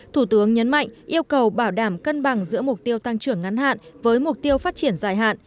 thủ tướng nhấn mạnh yêu cầu bảo đảm cân bằng giữa mục tiêu tăng trưởng ngắn hạn với mục tiêu phát triển dài hạn